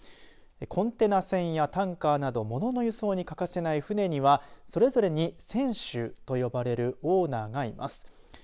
コンテナ船やタンカーなどモノの輸送に欠かせない船にはそれぞれに船主と呼ばれるオーナーがいます。